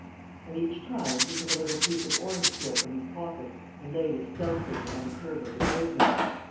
And, each time, he took a little piece of orange peel from his pocket and laid it stealthily on the kerb of the pavement.